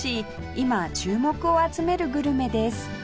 今注目を集めるグルメです